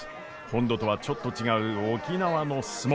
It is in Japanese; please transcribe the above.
本土とはちょっと違う沖縄の角力。